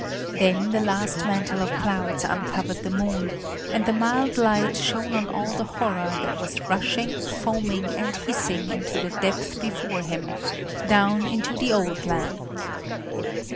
Then the last mantle of clouds uncovered the moon, and the mild light shone on all the horror that was rushing, foaming and hissing into the depth before him, down into the old land.